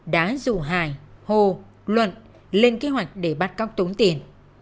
đá dụ hài hồ luận lên kế hoạch để bắt cóc tốn tiền